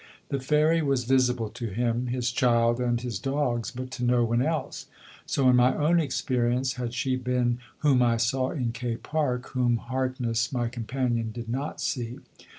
The fairy was visible to him, his child and his dogs but to no one else. So, in my own experience, had she been whom I saw in K Park, whom Harkness, my companion, did not see.